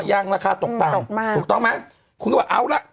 อ๋อยังราคาตกต่างตกตกมากถูกต้องไหมคุณว่าล่ะ